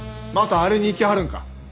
またあれに行きはるんか？